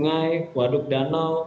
melakukan pengurukan pelebaran normalisasi